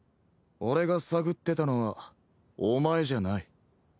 俺が探ってたのはお前じゃない。